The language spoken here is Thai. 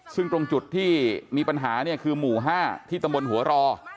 ซึ่งตรงจุดที่มีปัญหาเนี่ยคือหมู่๕ที่ตำบลหัวรอ